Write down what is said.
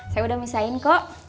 saya udah misain kok